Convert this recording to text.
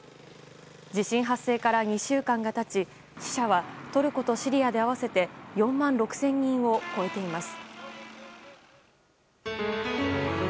地震発生から２週間が経ち死者はトルコとシリアで合わせて４万６０００人を超えています。